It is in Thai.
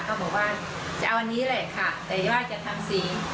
เขาบอกว่าจะเอาอันนี้แหละค่ะแต่ว่าจะทำสี